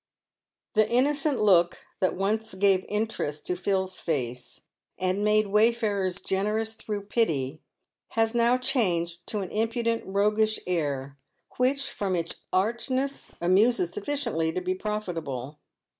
The innocent look that once gave interest to Phil's face, and made wayfarers generous through pity, has now changed to an impudent, roguish air, which from its archness amuses sufficiently to be profit able.